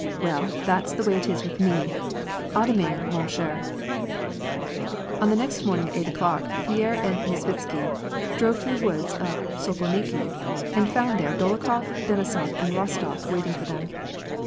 Well that's the way it is with me ! A demain, man cher/" On the next morning at eight o'clock, Pierre and Nesvitsky drove to the woods of Sokolniki, and found there Dolokhof, Denisof, and Rostof waiting for them.